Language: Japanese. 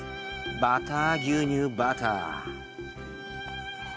バター牛乳バター。